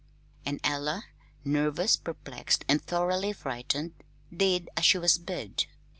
And Ella, nervous, perplexed, and thoroughly frightened, did as she was bid.